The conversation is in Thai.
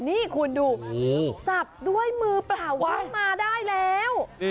นี่คุณดูจับด้วยมือเปล่าว่ามาได้แล้ว